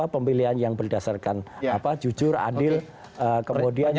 pemilihan yang berdasarkan jujur adil kemudian